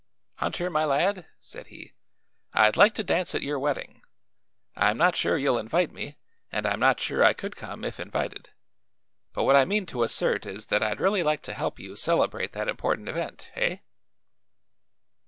"Hunter, my lad," said he, "I'd like to dance at your wedding. I'm not sure you'll invite me, and I'm not sure I could come if invited; but what I mean to assert is that I'd really like to help you celebrate that important event. Eh?"